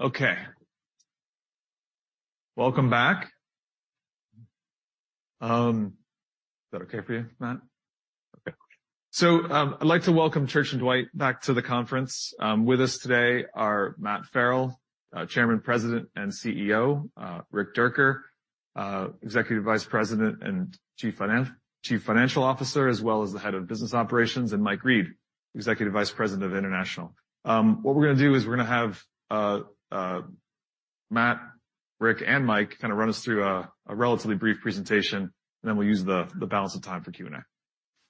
Okay. Welcome back. Is that okay for you, Matt? Okay. I'd like to welcome Church & Dwight back to the conference. With us today are Matt Farrell, Chairman, President, and CEO, Rick Dierker, Executive Vice President and Chief Financial Officer, as well as the Head of Business Operations, and Mike Read, Executive Vice President of International. What we're gonna do is we're gonna have Matt, Rick, and Mike kind of run us through a relatively brief presentation, and then we'll use the balance of time for Q&A.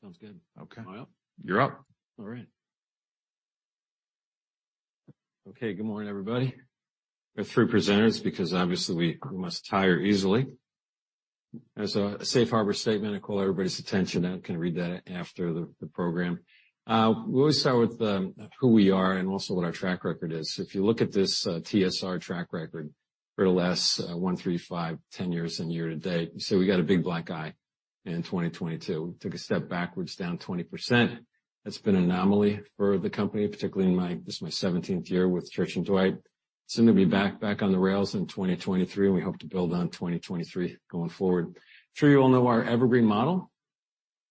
Sounds good. Okay. Am I up? You're up. All right. Okay, good morning, everybody. We're three presenters because obviously we must tire easily. As a safe harbor statement, I call everybody's attention, I'm gonna read that after the program. We always start with who we are and also what our track record is. If you look at this TSR track record for the last one, three, five, 10 years and year to date, you see we got a big black eye in 2022. We took a step backwards, down 20%. That's been an anomaly for the company, particularly this is my 17th year with Church & Dwight. Seem to be back on the rails in 2023. We hope to build on 2023 going forward. I'm sure you all know our evergreen model,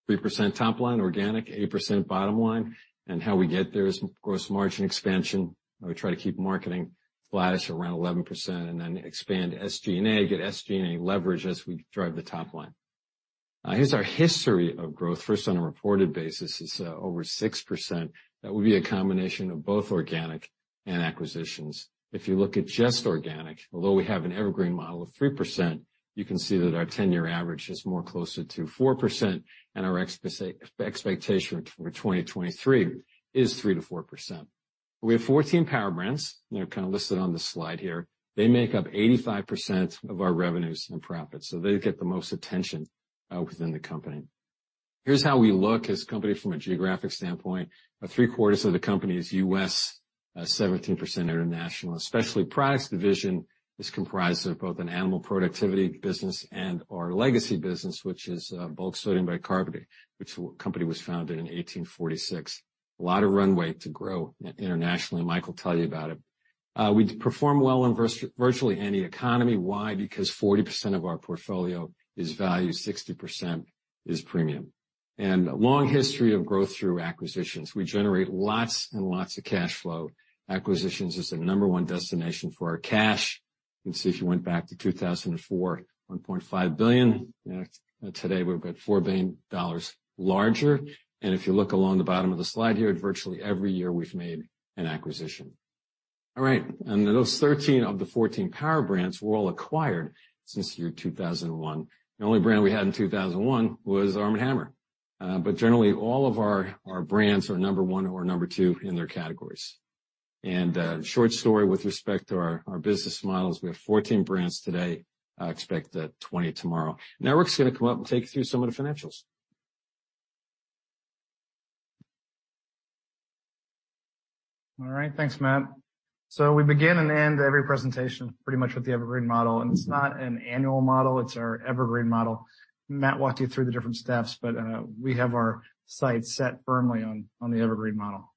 3% top line, organic, 8% bottom line, and how we get there is gross margin expansion. We try to keep marketing flatish around 11% and then expand SG&A, get SG&A leverage as we drive the top line. Here's our history of growth. First, on a reported basis, it's over 6%. That would be a combination of both organic and acquisitions. If you look at just organic, although we have an evergreen model of 3%, you can see that our 10-year average is more closer to 4%, and our expectation for 2023 is 3%-4%. We have 14 power brands, they're kind of listed on the slide here. They make up 85% of our revenues and profits, so they get the most attention within the company. Here's how we look as a company from a geographic standpoint. About three-quarters of the company is US, 17% international. Specialty Products Division is comprised of both an animal productivity business and our legacy business, which is bulk sodium bicarbonate, which the company was founded in 1846. A lot of runway to grow internationally, Mike will tell you about it. We perform well in virtually any economy. Why? Because 40% of our portfolio is value, 60% is premium. A long history of growth through acquisitions. We generate lots and lots of cash flow. Acquisitions is the number one destination for our cash. You can see if you went back to 2004, $1.5 billion. Today, we're about $4 billion larger. If you look along the bottom of the slide here, virtually every year we've made an acquisition. Those 13 of the 14 power brands were all acquired since the year 2001. The only brand we had in 2001 was Arm & Hammer. Generally, all of our brands are number one or number two in their categories. Short story with respect to our business models, we have 14 brands today, expect 20 tomorrow. Now, Rick's gonna come up and take you through some of the financials. All right. Thanks, Matt. We begin and end every presentation pretty much with the evergreen model. It's not an annual model, it's our evergreen model. Matt walked you through the different steps. We have our sights set firmly on the evergreen model.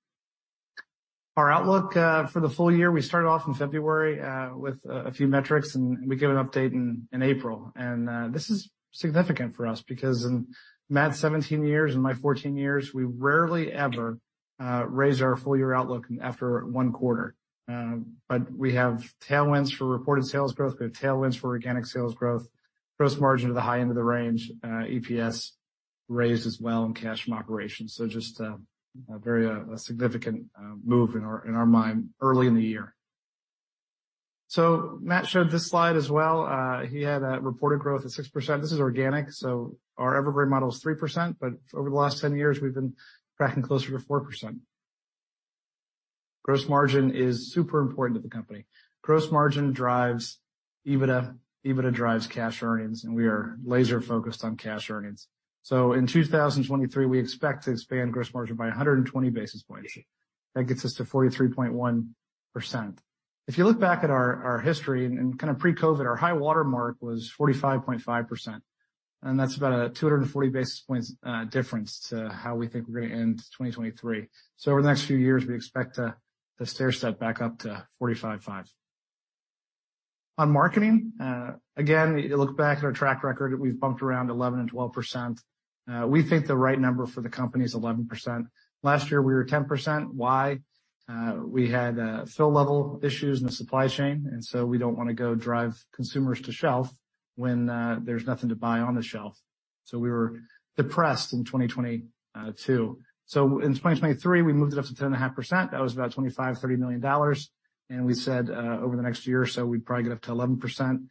Our outlook for the full year, we started off in February with a few metrics, and we gave an update in April. This is significant for us because in Matt's 17 years and my 14 years, we rarely ever raise our full year outlook after one quarter. We have tailwinds for reported sales growth. We have tailwinds for organic sales growth, gross margin to the high end of the range, EPS raised as well in cash from operations. Just a very significant move in our mind early in the year. Matt showed this slide as well. He had a reported growth of 6%. This is organic, so our evergreen model is 3%, but over the last 10 years, we've been tracking closer to 4%. Gross margin is super important to the company. Gross margin drives EBITDA drives cash earnings, and we are laser-focused on cash earnings. In 2023, we expect to expand gross margin by 120 basis points. That gets us to 43.1%. If you look back at our history and kind of pre-COVID, our high watermark was 45.5%, and that's about a 240 basis points difference to how we think we're gonna end 2023. Over the next few years, we expect to stair step back up to 45.5. On marketing, again, you look back at our track record, we've bumped around 11% and 12%. We think the right number for the company is 11%. Last year, we were 10%. Why? We had fill level issues in the supply chain, we don't wanna go drive consumers to shelf when there's nothing to buy on the shelf. We were depressed in 2022. In 2023, we moved it up to 10.5%. That was about $25 million-$30 million, and we said, over the next year or so, we'd probably get up to 11%.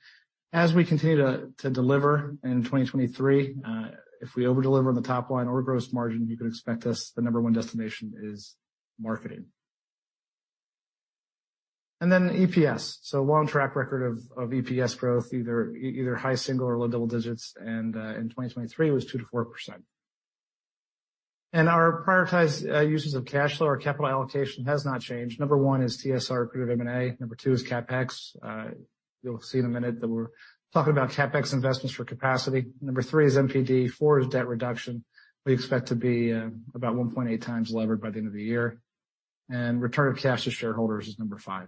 As we continue to deliver in 2023, if we over-deliver on the top line or gross margin, you can expect us, the number one destination is marketing. Then EPS. A long track record of EPS growth, either high single or low double digits, and in 2023, it was 2%-4%. Our prioritized uses of cash flow or capital allocation has not changed. Number one is TSR accretive M&A. Number two is CapEx. You'll see in a minute that we're talking about CapEx investments for capacity. Number three is NPD, four is debt reduction. We expect to be about 1.8 times levered by the end of the year, and return of cash to shareholders is number five...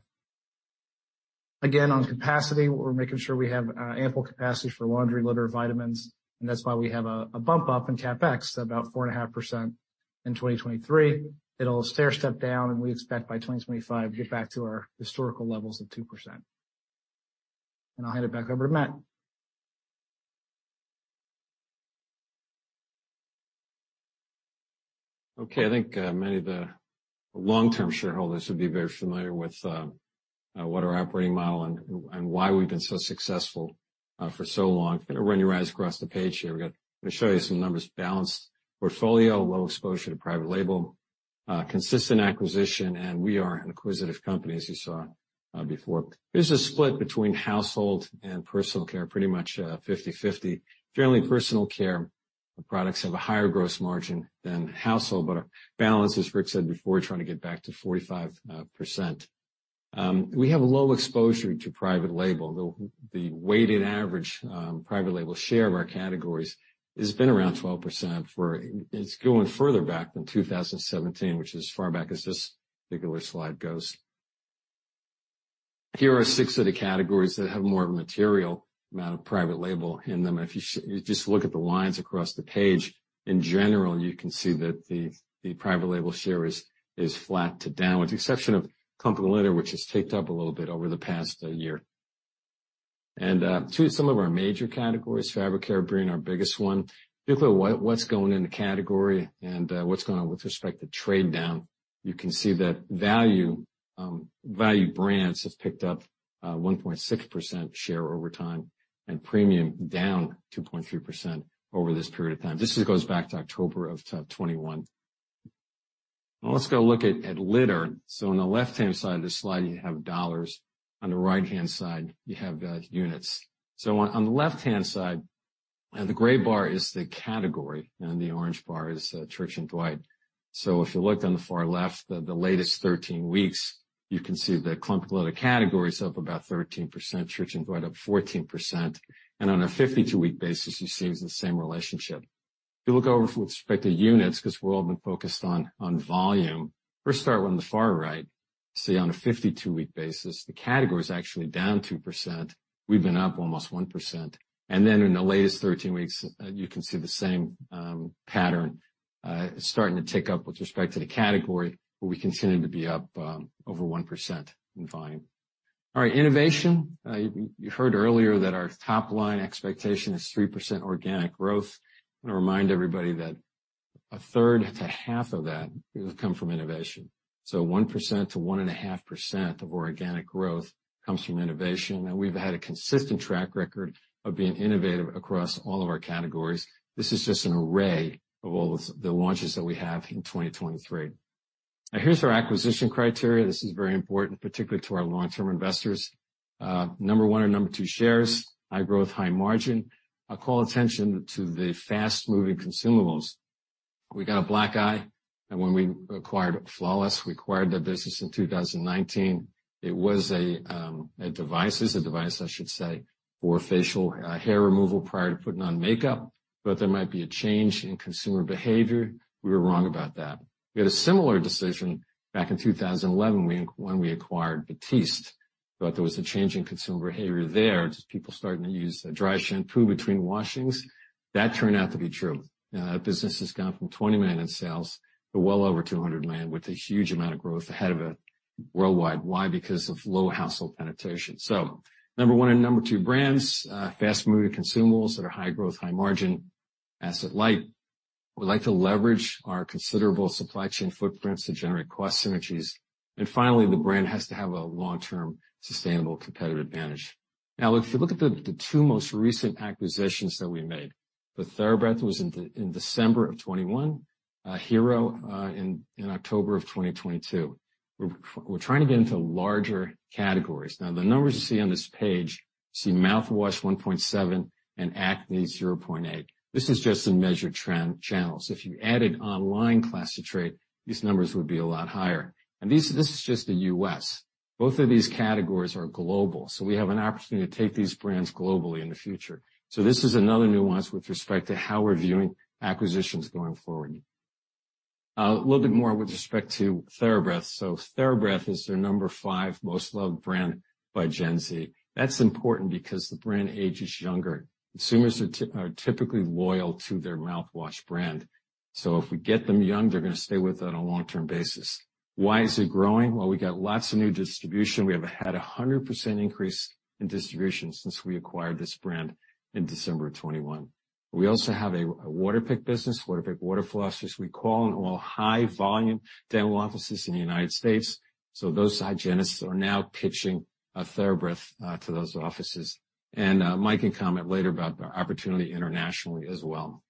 On capacity, we're making sure we have ample capacity for laundry, litter, vitamins, and that's why we have a bump up in CapEx, about 4.5% in 2023. It'll stair-step down, we expect by 2025, to get back to our historical levels of 2%. I'll hand it back over to Matt. Okay. I think many of the long-term shareholders would be very familiar with what our operating model and why we've been so successful for so long. I'm gonna run your eyes across the page here. I'm gonna show you some numbers, balanced portfolio, low exposure to private label, consistent acquisition, and we are an acquisitive company, as you saw before. Here's a split between household and personal care, pretty much 50/50. Generally, personal care products have a higher gross margin than household, but our balance, as Rick said before, trying to get back to 45%. We have a low exposure to private label, though the weighted average private label share of our categories has been around 12% it's going further back than 2017, which is as far back as this particular slide goes. Here are six of the categories that have more of a material amount of private label in them. If you just look at the lines across the page, in general, you can see that the private label share is flat to down, with the exception of Clump & Seal, which has ticked up a little bit over the past year. To some of our major categories, fabric care being our biggest one, particularly what's going in the category and what's going on with respect to trade down. You can see that value brands have picked up 1.6% share over time, and premium down 2.3% over this period of time. This just goes back to October of 2021. Let's go look at litter. On the left-hand side of this slide, you have dollars, on the right-hand side, you have units. On the left-hand side, and the gray bar is the category, and the orange bar is Church & Dwight. If you looked on the far left, the latest 13 weeks, you can see the Clump & Seal category is up about 13%, Church & Dwight up 14%, and on a 52-week basis, you see it's the same relationship. If you look over with respect to units, because we've all been focused on volume, first start on the far right, see, on a 52-week basis, the category is actually down 2%. We've been up almost 1%. In the latest 13 weeks, you can see the same pattern starting to tick up with respect to the category, where we continue to be up over 1% in volume. All right, innovation. You heard earlier that our top line expectation is 3% organic growth. I want to remind everybody that a third to half of that will come from innovation. So 1% to 1.5% of organic growth comes from innovation, and we've had a consistent track record of being innovative across all of our categories. This is just an array of all the launches that we have in 2023. Here's our acquisition criteria. This is very important, particularly to our long-term investors. Number one or number two shares, high growth, high margin. I'll call attention to the fast-moving consumables. We got a black eye, and when we acquired Flawless, we acquired that business in 2019. It was a device, is a device, I should say, for facial hair removal prior to putting on makeup, but there might be a change in consumer behavior. We were wrong about that. We had a similar decision back in 2011, when we acquired Batiste, thought there was a change in consumer behavior there, just people starting to use a dry shampoo between washings. That turned out to be true. That business has gone from $20 million in sales to well over $200 million, with a huge amount of growth ahead of it worldwide. Why? Because of low household penetration. Number one and number two brands, fast-moving consumables that are high growth, high margin, asset light. We like to leverage our considerable supply chain footprints to generate cost synergies. Finally, the brand has to have a long-term, sustainable competitive advantage. Now, if you look at the two most recent acquisitions that we made, TheraBreath was in December of 2021, Hero in October of 2022. We're trying to get into larger categories. Now, the numbers you see on this page, you see mouthwash, $1.7, and acne, $0.8. This is just in measured channels. If you added online class to trade, these numbers would be a lot higher. This is just the U.S. Both of these categories are global, we have an opportunity to take these brands globally in the future. This is another nuance with respect to how we're viewing acquisitions going forward. A little bit more with respect to TheraBreath. TheraBreath is their number five most loved brand by Gen Z. That's important because the brand age is younger. Consumers are typically loyal to their mouthwash brand. If we get them young, they're gonna stay with us on a long-term basis. Why is it growing? Well, we got lots of new distribution. We have had a 100% increase in distribution since we acquired this brand in December of 2021. We also have a Waterpik business, Waterpik water floss, which we call in all high-volume dental offices in the United States. Those hygienists are now pitching TheraBreath to those offices. Mike can comment later about the opportunity internationally as well.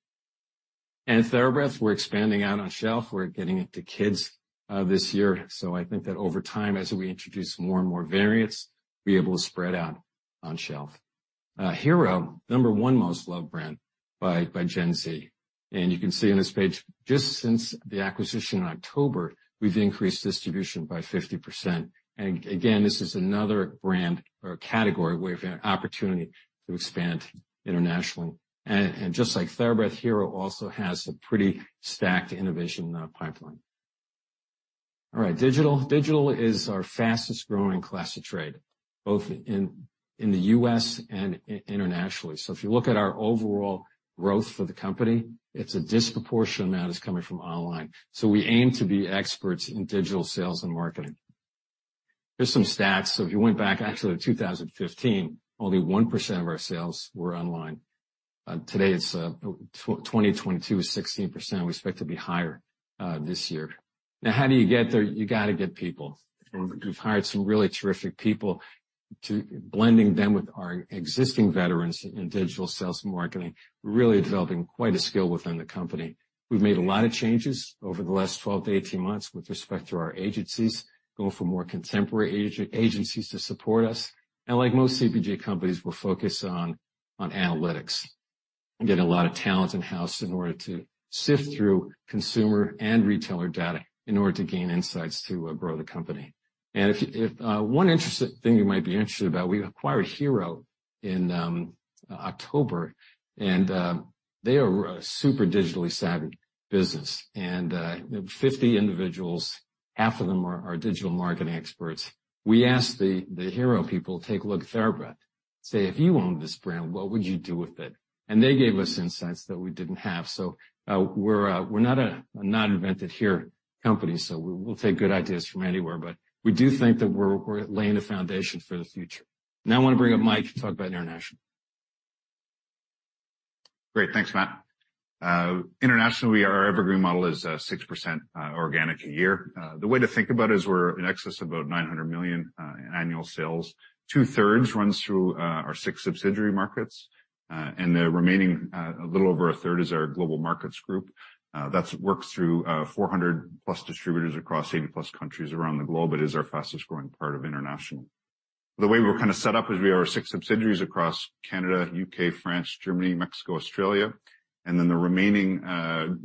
TheraBreath, we're expanding out on shelf. We're getting it to kids this year. I think that over time, as we introduce more and more variants, we'll be able to spread out on shelf. Hero, number one most loved brand by Gen Z. You can see on this page, just since the acquisition in October, we've increased distribution by 50%. Again, this is another brand or category we have an opportunity to expand internationally. Just like TheraBreath, Hero also has a pretty stacked innovation pipeline. All right, digital. Digital is our fastest growing class of trade, both in the U.S. and internationally. If you look at our overall growth for the company, a disproportionate amount is coming from online. We aim to be experts in digital sales and marketing. Here's some stats. If you went back, actually to 2015, only 1% of our sales were online. Today, it's 2022, is 16%. We expect to be higher this year. How do you get there? You got to get people. We've hired some really terrific people blending them with our existing veterans in digital sales and marketing, really developing quite a skill within the company. We've made a lot of changes over the last 12-18 months with respect to our agencies, going for more contemporary agencies to support us. Like most CPG companies, we're focused on analytics and getting a lot of talent in-house in order to sift through consumer and retailer data in order to gain insights to grow the company. One interesting thing you might be interested about, we acquired Hero in October, and they are a super digitally savvy business. 50 individuals, half of them are digital marketing experts. We asked the Hero people to take a look at TheraBreath, say, "If you owned this brand, what would you do with it?" They gave us insights that we didn't have. We're not a not invented here company, so we'll take good ideas from anywhere, but we do think that we're laying the foundation for the future. I want to bring up Mike to talk about international. Great. Thanks, Matt. Internationally, our Evergreen model is 6% organic a year. The way to think about it is we're in excess of about $900 million in annual sales. Two-thirds runs through our six subsidiary markets, the remaining, a little over a third, is our global markets group. That's worked through 400 plus distributors across 80 plus countries around the globe. It is our fastest growing part of international. The way we're kind of set up is we have our six subsidiaries across Canada, U.K., France, Germany, Mexico, Australia, the remaining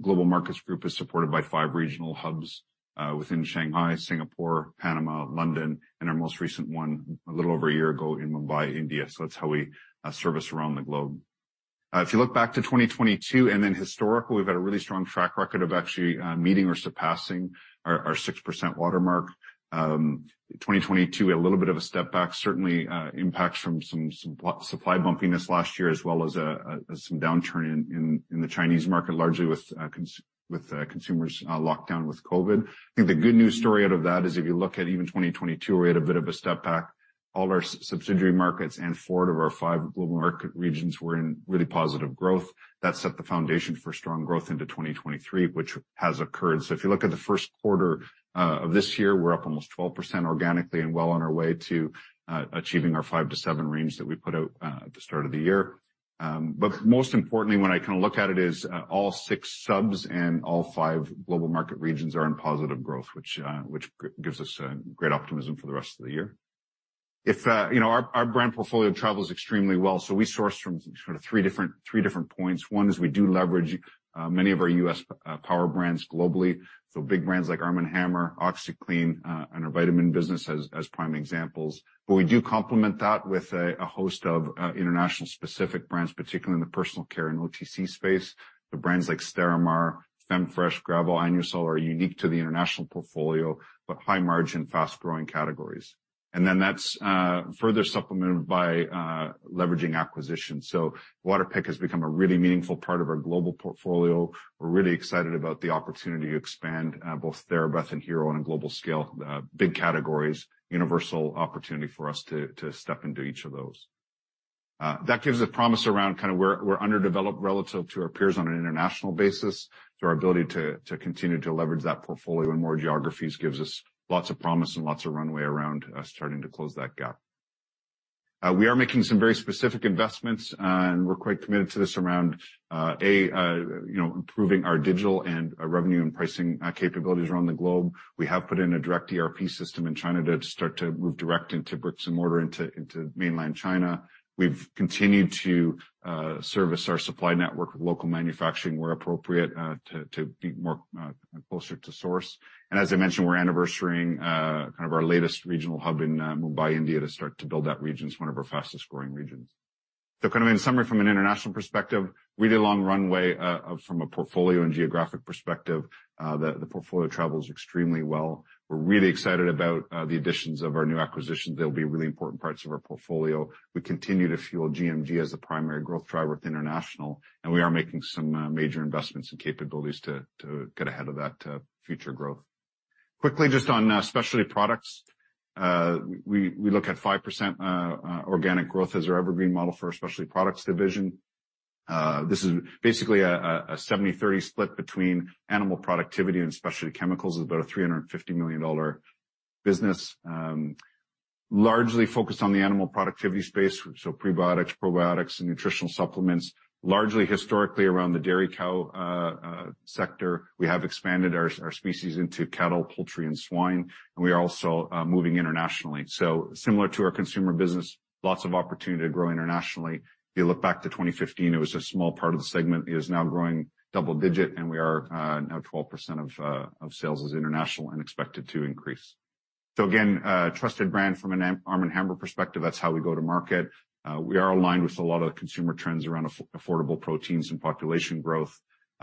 global markets group is supported by five regional hubs within Shanghai, Singapore, Panama, London, and our most recent one, a little over a year ago in Mumbai, India. That's how we service around the globe. If you look back to 2022 and then historically, we've had a really strong track record of actually, meeting or surpassing our 6% watermark. 2022, a little bit of a step back, certainly, impacts from some supply bumpiness last year, as well as, some downturn in the Chinese market, largely with consumers, lockdown with COVID. I think the good news story out of that is if you look at even 2022, where we had a bit of a step back, all of our subsidiary markets and four out of our five global market regions were in really positive growth. That set the foundation for strong growth into 2023, which has occurred. If you look at the first quarter of this year, we're up almost 12% organically and well on our way to achieving our five to seven range that we put out at the start of the year. Most importantly, when I kind of look at it, is all six subs and all five global market regions are in positive growth, which gives us great optimism for the rest of the year. You know, our brand portfolio travels extremely well, we source from sort of three different points. One is we do leverage many of our U.S. power brands globally, big brands like Arm & Hammer, OxiClean, and our vitamin business as prime examples. We do complement that with a host of international specific brands, particularly in the personal care and OTC space. The brands like Sterimar, FemFresh, Gravol, and Curash are unique to the international portfolio, but high margin, fast-growing categories. That's further supplemented by leveraging acquisitions. Waterpik has become a really meaningful part of our global portfolio. We're really excited about the opportunity to expand both TheraBreath and Hero on a global scale, big categories, universal opportunity for us to step into each of those. That gives a promise around kind of we're underdeveloped relative to our peers on an international basis. Our ability to continue to leverage that portfolio in more geographies gives us lots of promise and lots of runway around starting to close that gap. We are making some very specific investments, and we're quite committed to this around, you know, improving our digital and revenue and pricing capabilities around the globe. We have put in a direct ERP system in China to start to move direct into bricks and mortar into mainland China. We've continued to service our supply network with local manufacturing, where appropriate, to be more closer to source. As I mentioned, we're anniversarying kind of our latest regional hub in Mumbai, India, to start to build that region. It's one of our fastest-growing regions. Kind of in summary, from an international perspective, really long runway from a portfolio and geographic perspective, the portfolio travels extremely well. We're really excited about the additions of our new acquisitions. They'll be really important parts of our portfolio. We continue to fuel GMG as the primary growth driver with international, and we are making some major investments and capabilities to get ahead of that future growth. Quickly, just on Specialty Products, we look at 5% organic growth as our evergreen model for our Specialty Products Division. This is basically a 70-30 split between animal productivity and specialty chemicals. It's about a $350 million business, largely focused on the animal productivity space, so prebiotics, probiotics, and nutritional supplements, largely historically around the dairy cow sector. We have expanded our species into cattle, poultry, and swine, and we are also moving internationally. Similar to our consumer business, lots of opportunity to grow internationally. If you look back to 2015, it was a small part of the segment. It is now growing double digit, we are now 12% of sales is international and expected to increase. Again, a trusted brand from an Arm & Hammer perspective, that's how we go to market. We are aligned with a lot of the consumer trends around affordable proteins and population growth.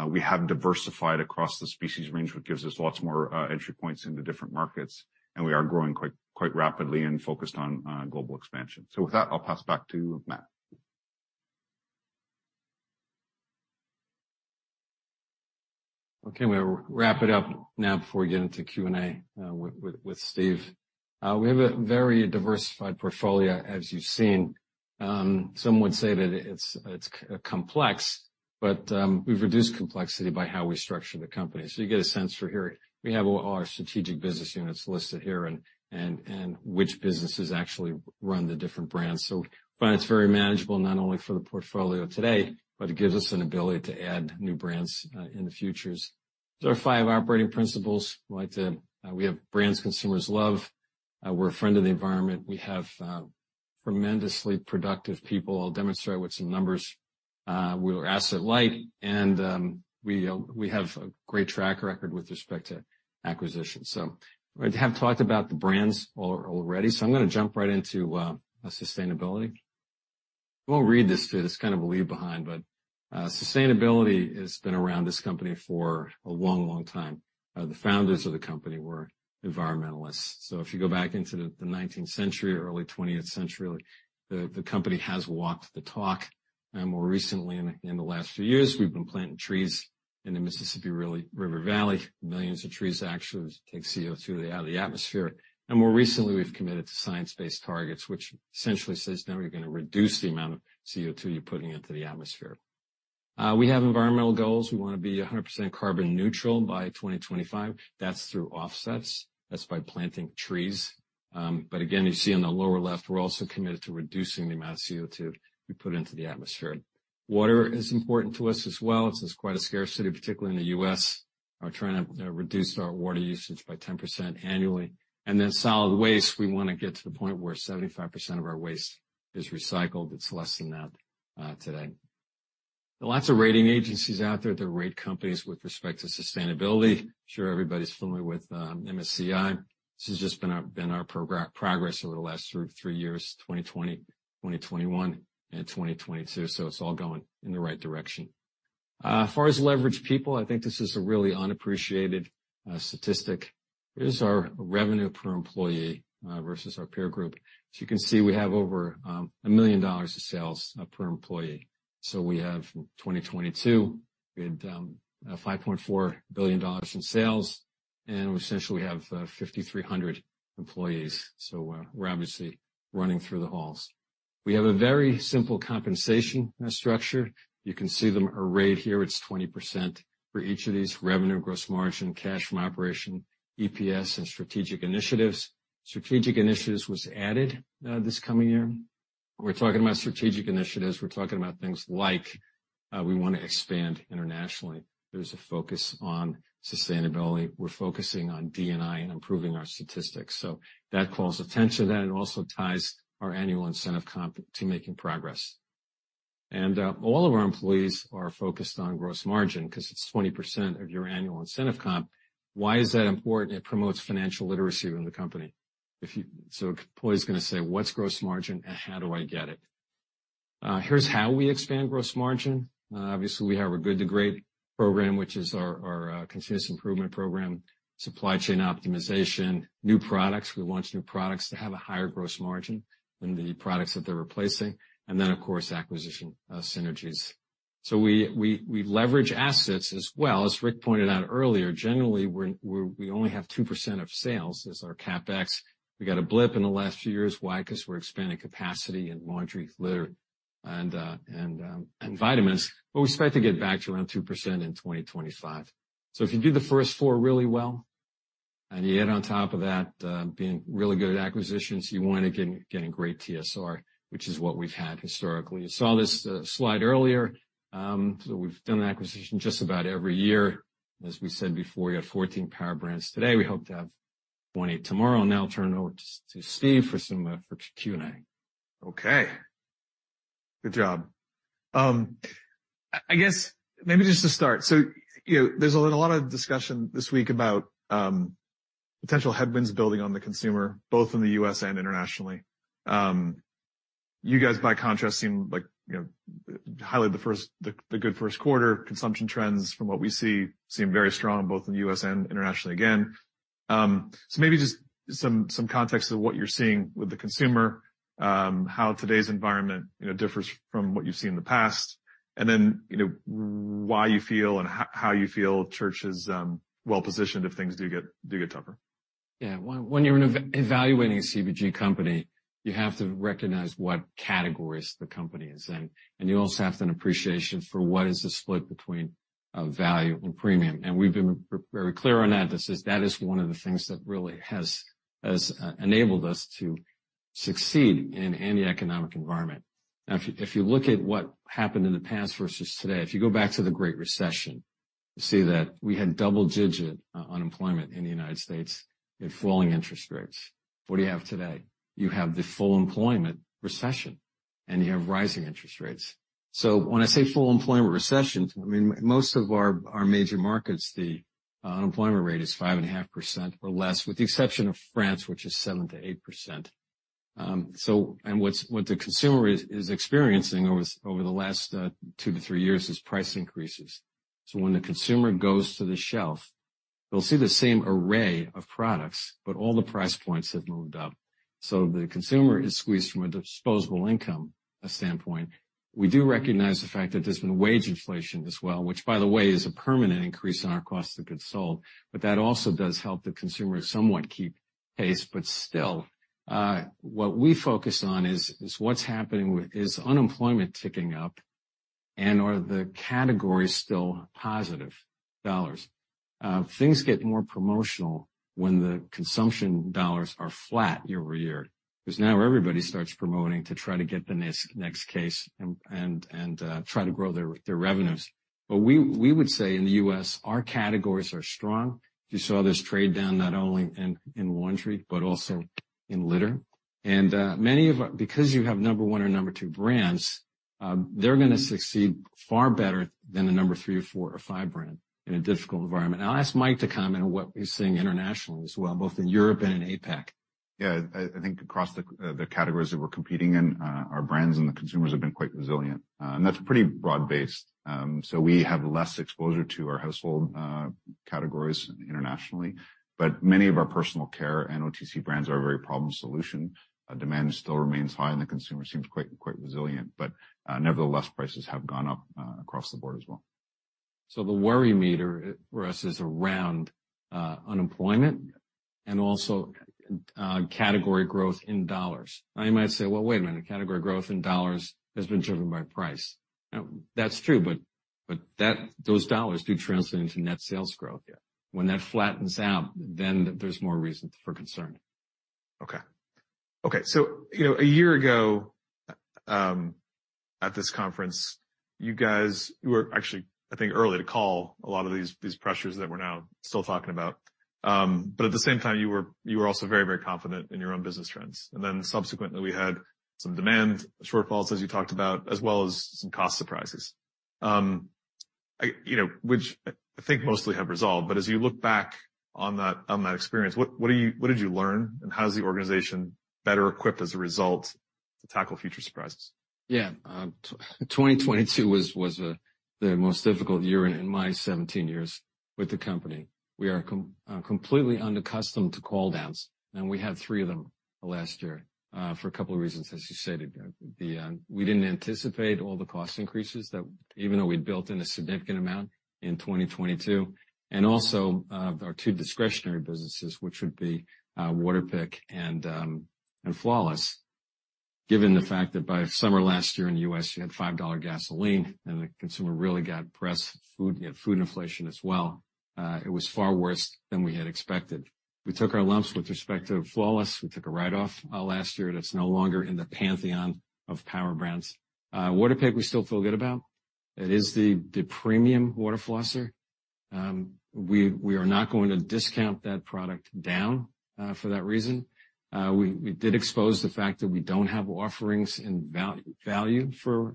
We have diversified across the species range, which gives us lots more entry points into different markets, and we are growing quite rapidly and focused on global expansion. With that, I'll pass back to Matt. Okay, we'll wrap it up now before we get into Q&A with Steve. We have a very diversified portfolio, as you've seen. Some would say that it's complex, but we've reduced complexity by how we structure the company. You get a sense for here. We have all our strategic business units listed here and which businesses actually run the different brands. But it's very manageable, not only for the portfolio today, but it gives us an ability to add new brands in the futures. There are five operating principles. We have brands consumers love. We're a friend of the environment. We have tremendously productive people. I'll demonstrate with some numbers. We are asset light, and we have a great track record with respect to acquisition. I have talked about the brands already, I'm gonna jump right into sustainability. I won't read this to you, it's kind of a leave behind, sustainability has been around this company for a long, long time. The founders of the company were environmentalists. If you go back into the nineteenth century, early twentieth century, the company has walked the talk. More recently, in the last few years, we've been planting trees in the Mississippi River Valley, millions of trees, actually, to take CO2 out of the atmosphere. More recently, we've committed to science-based targets, which essentially says, now you're gonna reduce the amount of CO2 you're putting into the atmosphere. We have environmental goals. We wanna be 100% carbon neutral by 2025. That's through offsets, that's by planting trees. Again, you see on the lower left, we're also committed to reducing the amount of CO2 we put into the atmosphere. Water is important to us as well. It's quite a scarcity, particularly in the U.S. We're trying to reduce our water usage by 10% annually. Then solid waste, we wanna get to the point where 75% of our waste is recycled. It's less than that today. There are lots of rating agencies out there that rate companies with respect to sustainability. I'm sure everybody's familiar with MSCI. This has just been our progress over the last three years, 2020, 2021, and 2022. It's all going in the right direction. As far as leverage people, I think this is a really unappreciated statistic. Here's our revenue per employee versus our peer group. As you can see, we have over $1 million of sales per employee. We have, in 2022, we had $5.4 billion in sales, and we essentially have 5,300 employees. We're obviously running through the halls. We have a very simple compensation structure. You can see them arrayed here. It's 20% for each of these, revenue, gross margin, cash from operation, EPS, and strategic initiatives. Strategic initiatives was added this coming year. When we're talking about strategic initiatives, we're talking about things like we wanna expand internationally. There's a focus on sustainability. We're focusing on D&I and improving our statistics, that calls attention to that, and it also ties our annual incentive comp to making progress. All of our employees are focused on gross margin because it's 20% of your annual incentive comp. Why is that important? It promotes financial literacy in the company. An employee is gonna say, "What's gross margin, and how do I get it?" Here's how we expand gross margin. Obviously, we have a Good to Great program, which is our continuous improvement program, supply chain optimization, new products. We launch new products to have a higher gross margin than the products that they're replacing, and then, of course, acquisition synergies. We leverage assets as well. As Rick pointed out earlier, generally, we only have 2% of sales as our CapEx. We got a blip in the last few years. Why? We're expanding capacity and laundry litter and vitamins, but we expect to get back to around 2% in 2025. If you do the first four really well, and you add on top of that, being really good at acquisitions, you wind up getting great TSR, which is what we've had historically. You saw this slide earlier, so we've done an acquisition just about every year. We said before, we have 14 power brands today. We hope to have 28 tomorrow. I'll turn it over to Steve for some, for Q&A. Okay. Good job. I guess maybe just to start, you know, there's been a lot of discussion this week about potential headwinds building on the consumer, both in the U.S. and internationally. You guys, by contrast, seem like, you know, highly the good first quarter. Consumption trends from what we see, seem very strong, both in the U.S. and internationally again. Maybe just some context of what you're seeing with the consumer, how today's environment, you know, differs from what you've seen in the past. You know, why you feel and how you feel Church is well-positioned if things do get tougher. Yeah. When you're evaluating a CPG company, you have to recognize what categories the company is in, and you also have an appreciation for what is the split between value and premium. We've been very clear on that. That is one of the things that really has enabled us to succeed in any economic environment. If you look at what happened in the past versus today, if you go back to the Great Recession, you see that we had double-digit unemployment in the United States and falling interest rates. What do you have today? You have the full employment recession. You have rising interest rates. When I say full employment recession, I mean, most of our major markets, the unemployment rate is 5.5% or less, with the exception of France, which is 7%-8%. What the consumer is experiencing over the last 2-3 years is price increases. When the consumer goes to the shelf, they'll see the same array of products, but all the price points have moved up. The consumer is squeezed from a disposable income standpoint. We do recognize the fact that there's been wage inflation as well, which, by the way, is a permanent increase in our cost of goods sold, but that also does help the consumer somewhat keep pace. Still, what we focus on is what's happening with... Is unemployment ticking up, and are the categories still positive dollars? Things get more promotional when the consumption dollars are flat year-over-year, because now everybody starts promoting to try to get the next case and try to grow their revenues. We would say in the U.S., our categories are strong. You saw this trade down not only in laundry, but also in litter. Because you have number one or number two brands, they're gonna succeed far better than the number three or four or five brand in a difficult environment. I'll ask Mike to comment on what he's seeing internationally as well, both in Europe and in APAC. Yeah, I think across the categories that we're competing in, our brands and the consumers have been quite resilient, and that's pretty broad-based. We have less exposure to our household categories internationally, but many of our personal care and OTC brands are very problem solution. Demand still remains high, and the consumer seems quite resilient, but nevertheless, prices have gone up across the board as well. The worry meter for us is around unemployment and also category growth in dollars. You might say, "Well, wait a minute, category growth in dollars has been driven by price." That's true, but those dollars do translate into net sales growth. Yeah. When that flattens out, then there's more reason for concern. Okay. Okay, you know, a year ago, at this conference, you guys were actually, I think, early to call a lot of these pressures that we're now still talking about. At the same time, you were also very confident in your own business trends. Subsequently, we had some demand shortfalls, as you talked about, as well as some cost surprises. I, you know, which I think mostly have resolved, but as you look back on that, on that experience, what did you learn, and how is the organization better equipped as a result to tackle future surprises? Yeah, 2022 was the most difficult year in my 17 years with the company. We are completely unaccustomed to call downs, we had three of them last year for a couple of reasons. As you said, we didn't anticipate all the cost increases that even though we'd built in a significant amount in 2022, our two discretionary businesses, which would be Waterpik and Flawless. Given the fact that by summer last year in the U.S., you had $5 gasoline and the consumer really got pressed. Food, you had food inflation as well. It was far worse than we had expected. We took our lumps with respect to Flawless. We took a write-off last year, that's no longer in the pantheon of power brands. Waterpik, we still feel good about. It is the premium water flosser. We are not going to discount that product down for that reason. We did expose the fact that we don't have offerings and value for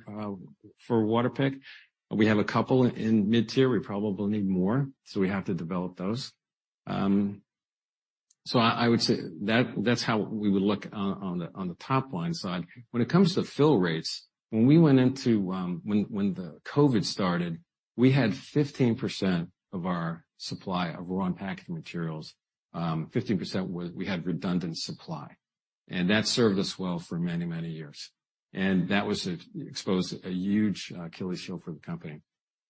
Waterpik. We have a couple in mid-tier. We probably need more. We have to develop those. I would say that's how we would look on the top line side. When it comes to fill rates, when we went into, when the COVID started, we had 15% of our supply of raw packaging materials, 15%, we had redundant supply. That served us well for many, many years. That was a... Exposed a huge Achilles heel for the company,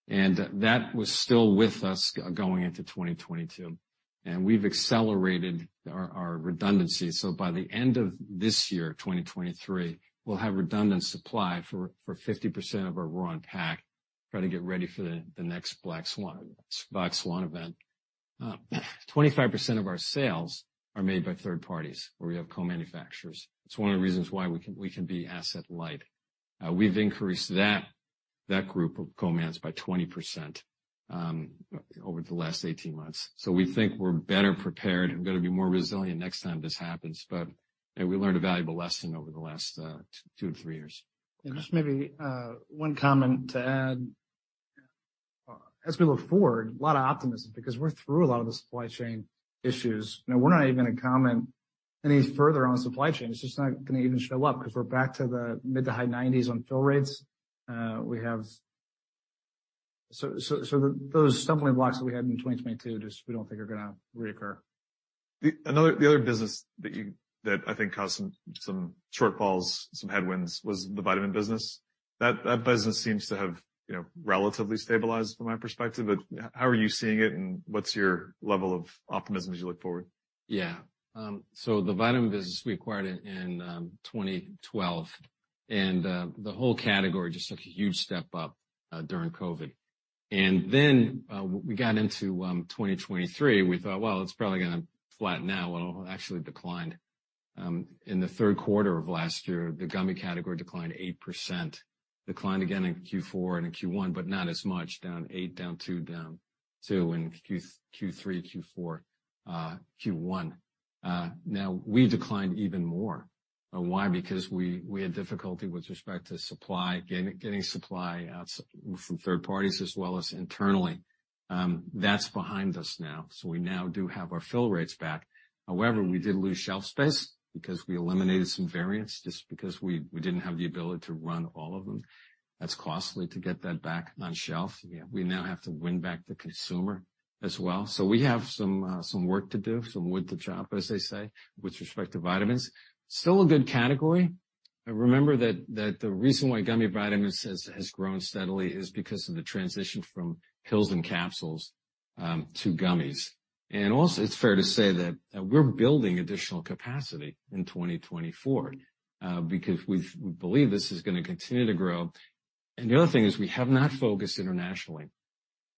and that was still with us going into 2022, and we've accelerated our redundancy. By the end of this year, 2023, we'll have redundant supply for 50% of our raw and pack, try to get ready for the next black swan event. 25% of our sales are made by third parties, where we have co-manufacturers. It's one of the reasons why we can be asset light. We've increased that group of co-mans by 20% over the last 18 months. We think we're better prepared and going to be more resilient next time this happens, and we learned a valuable lesson over the last two to three years. Just maybe, one comment to add. As we look forward, a lot of optimism, because we're through a lot of the supply chain issues. We're not even going to comment any further on supply chain. It's just not going to even show up, because we're back to the mid to high 90s on fill rates. Those stumbling blocks that we had in 2022, just we don't think are going to reoccur. The other business that you, that I think caused some shortfalls, some headwinds, was the vitamin business. That, that business seems to have, you know, relatively stabilized from my perspective, but how are you seeing it, and what's your level of optimism as you look forward? Yeah, so the vitamin business we acquired in 2012, and the whole category just took a huge step up during COVID. We got into 2023, we thought, well, it's probably gonna flatten out. Well, it actually declined. In the third quarter of last year, the gummy category declined 8%. declined again in Q4 and in Q1, but not as much, down 8%, down 2%, down 2% in Q3, Q4, Q1. Now we declined even more. Why? Because we had difficulty with respect to supply, getting supply out from third parties as well as internally. That's behind us now, so we now do have our fill rates back. However, we did lose shelf space because we eliminated some variants just because we didn't have the ability to run all of them. That's costly to get that back on shelf. We now have to win back the consumer as well. We have some work to do, some wood to chop, as they say, with respect to vitamins. Still a good category. Remember that the reason why gummy vitamins has grown steadily is because of the transition from pills and capsules to gummies. Also, it's fair to say that we're building additional capacity in 2024 because we believe this is going to continue to grow. The other thing is we have not focused internationally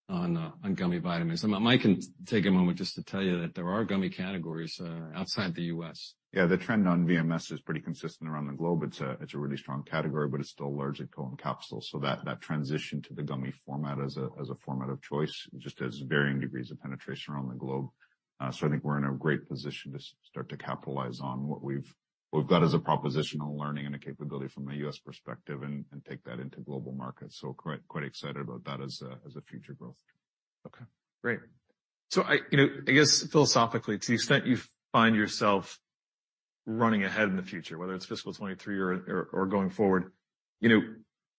on gummy vitamins. Mike can take a moment just to tell you that there are gummy categories outside the U.S. Yeah, the trend on VMS is pretty consistent around the globe. It's a really strong category, but it's still largely pill and capsules. That transition to the gummy format as a format of choice, just has varying degrees of penetration around the globe. I think we're in a great position to start to capitalize on what we've got as a propositional learning and a capability from a U.S. perspective and take that into global markets. Quite excited about that as a future growth. Okay, great. I guess philosophically, to the extent you find yourself running ahead in the future, whether it's fiscal 2023 or going forward, you know,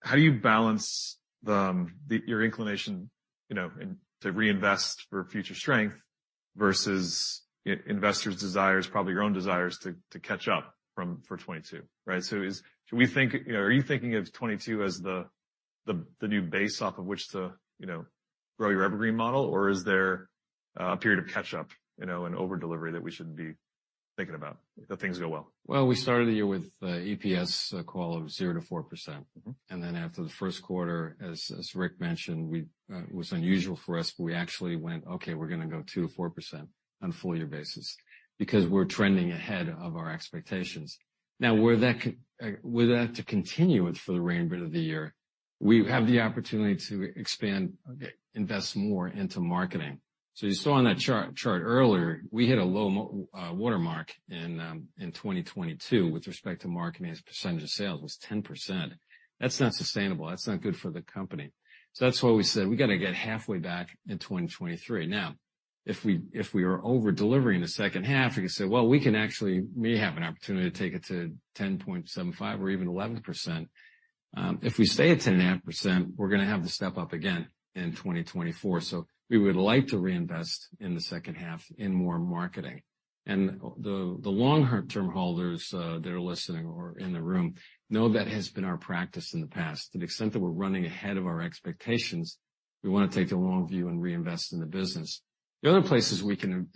how do you balance your inclination, you know, and to reinvest for future strength versus investors' desires, probably your own desires, to catch up for 2022, right? Are you thinking of 2022 as the new base off of which to, you know, grow your evergreen model, or is there a period of catch-up, you know, and over-delivery that we should be thinking about, if things go well? Well, we started the year with EPS call of 0%-4%. Mm-hmm. After the first quarter, as Rick mentioned, we, it was unusual for us, but we actually went, "Okay, we're gonna go 2%-4% on a full year basis," because we're trending ahead of our expectations. Were that to continue with for the remainder of the year, we have the opportunity to expand, invest more into marketing. You saw on that chart earlier, we hit a low watermark in 2022 with respect to marketing as a percentage of sales, was 10%. That's not sustainable, that's not good for the company. That's why we said, "We got to get halfway back in 2023." If we are over-delivering the second half, we can say, well, we can actually may have an opportunity to take it to 10.75% or even 11%. If we stay at 10.5%, we're gonna have to step up again in 2024. We would like to reinvest in the second half in more marketing. The long-term holders that are listening or in the room know that has been our practice in the past. To the extent that we're running ahead of our expectations, we wanna take the long view and reinvest in the business. The other places we can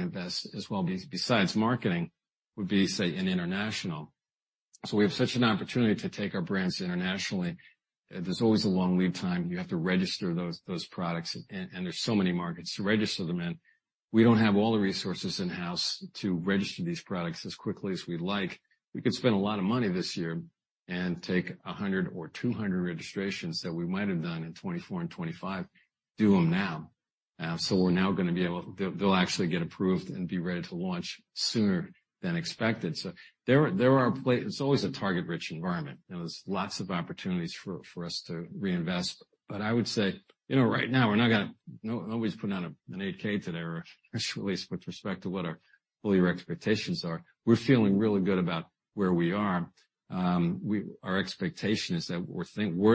invest as well, besides marketing, would be, say, in international. We have such an opportunity to take our brands internationally. There's always a long lead time. You have to register those products, and there's so many markets to register them in. We don't have all the resources in-house to register these products as quickly as we'd like. We could spend a lot of money this year and take 100 or 200 registrations that we might have done in 2024 and 2025, do them now. They'll actually get approved and be ready to launch sooner than expected. It's always a target-rich environment, and there's lots of opportunities for us to reinvest. I would say, you know, right now, I'll always put down an 8K today, or at least with respect to what our full year expectations are. We're feeling really good about where we are. Our expectation is that, were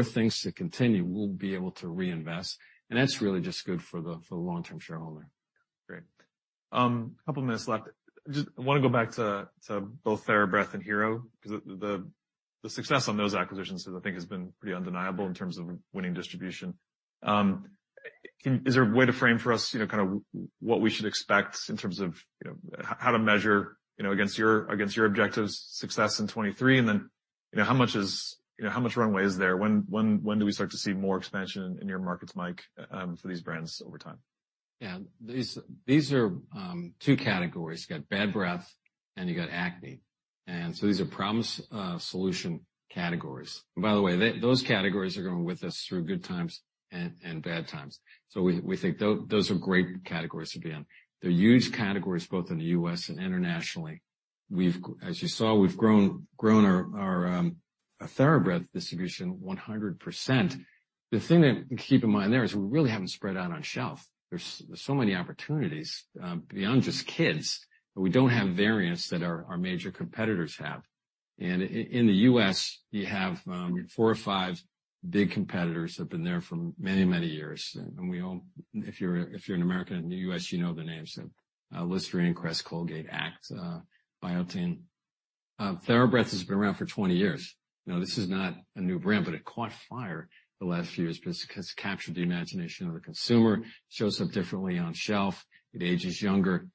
things to continue, we'll be able to reinvest, and that's really just good for the long-term shareholder. Great. A couple of minutes left. Just I wanna go back to both TheraBreath and Hero, because the, the success on those acquisitions I think has been pretty undeniable in terms of winning distribution. Is there a way to frame for us, you know, kind of what we should expect in terms of, you know, how to measure, you know, against your, against your objectives, success in 23, and then, you know, how much runway is there? When, when do we start to see more expansion in your markets, Mike, for these brands over time? Yeah, these are two categories. You got bad breath and you got acne. These are promise solution categories. By the way, those categories are going with us through good times and bad times. We think those are great categories to be in. They're huge categories, both in the U.S. and internationally. As you saw, we've grown our TheraBreath distribution 100%. The thing to keep in mind there is we really haven't spread out on shelf. There's so many opportunities beyond just kids, but we don't have variants that our major competitors have. In the U.S., you have four or five big competitors that have been there for many, many years. We all if you're an American in the U.S., you know the names, Listerine, Crest, Colgate, ACT, Biotène. TheraBreath has been around for 20 years. Now, this is not a new brand, but it caught fire the last few years because it has captured the imagination of the consumer, shows up differently on shelf. It ages younger.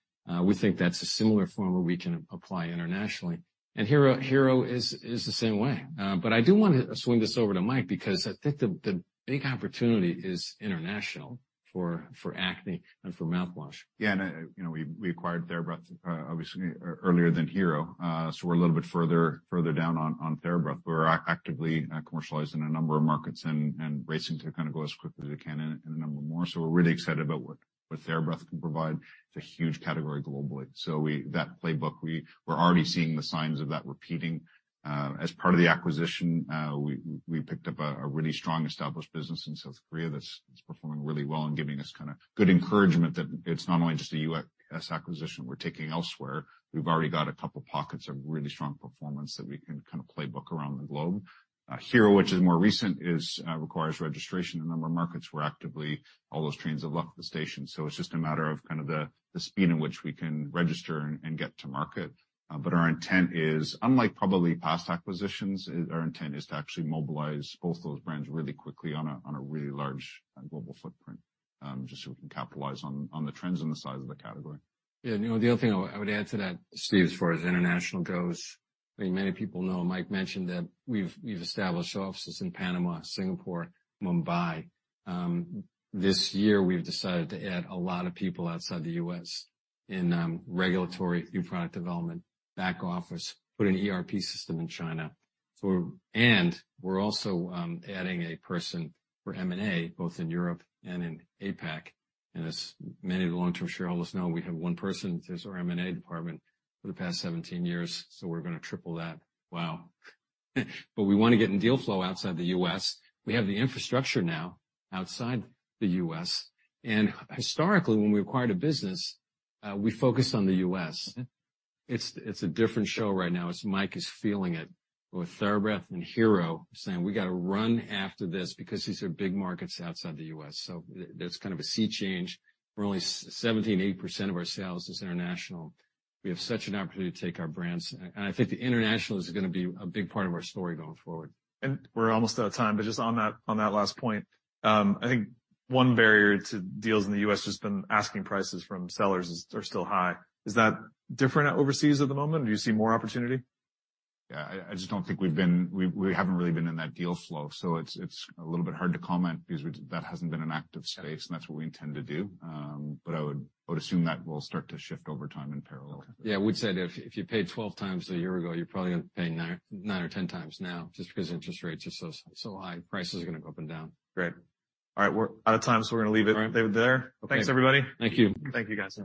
We think that's a similar formula we can apply internationally. Hero is the same way. I do want to swing this over to Mike because I think the big opportunity is international for acne and for mouthwash. You know, we acquired TheraBreath, obviously, earlier than Hero. We're a little bit further down on TheraBreath. We're actively commercializing a number of markets and racing to kind of go as quickly as we can in a number more. We're really excited about what TheraBreath can provide. It's a huge category globally. That playbook, we're already seeing the signs of that repeating. As part of the acquisition, we picked up a really strong established business in South Korea that's performing really well and giving us kind of good encouragement that it's not only just a U.S. acquisition, we're taking elsewhere. We've already got a couple pockets of really strong performance that we can kind of playbook around the globe. Hero, which is more recent, is requires registration in a number of markets. We're actively, all those trains have left the station, so it's just a matter of kind of the speed in which we can register and get to market. Our intent is, unlike probably past acquisitions, is our intent is to actually mobilize both those brands really quickly on a really large global footprint, just so we can capitalize on the trends and the size of the category. Yeah, you know, the other thing I would add to that, Steve, as far as international goes, I think many people know, Mike mentioned that we've established offices in Panama, Singapore, Mumbai. This year, we've decided to add a lot of people outside the U.S. in regulatory, new product development, back office, put an ERP system in China. We're also adding a person for M&A, both in Europe and in APAC. And as many of the long-term shareholders know, we have one person that is our M&A department for the past 17 years, so we're gonna triple that. Wow! We want to get in deal flow outside the U.S. We have the infrastructure now outside the U.S., and historically, when we acquired a business, we focused on the U.S. It's a different show right now, as Mike is feeling it with TheraBreath and Hero, saying, "We got to run after this," because these are big markets outside the U.S. That's kind of a sea change. We're only 78% of our sales is international. We have such an opportunity to take our brands, and I think the international is gonna be a big part of our story going forward. We're almost out of time, but just on that, on that last point, I think one barrier to deals in the U.S. has been asking prices from sellers are still high. Is that different overseas at the moment, or do you see more opportunity? Yeah, I just don't think we haven't really been in that deal flow, it's a little bit hard to comment because that hasn't been an active space, that's what we intend to do. I would assume that will start to shift over time in parallel. Okay. Yeah, I would say if you paid 12 times a year ago, you're probably gonna pay nine or 10 times now, just because interest rates are so high. Prices are gonna go up and down. Great. All right, we're out of time, so we're going to leave it there. Thanks, everybody. Thank you. Thank you, guys.